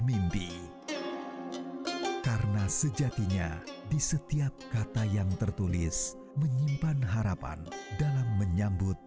mimpi karena sejatinya di setiap kata yang tertulis menyimpan harapan dalam menyambut